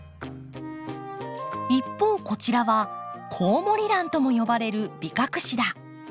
一方こちらはコウモリランとも呼ばれるビカクシダ。